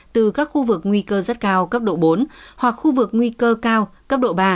từ các khu vực nguy cơ rất cao cấp độ bốn hoặc khu vực nguy cơ cao cấp độ ba